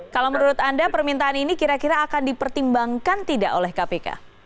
kalau menurut anda permintaan ini kira kira akan dipertimbangkan tidak oleh kpk